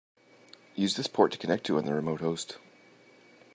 Use this port to connect to on the remote host.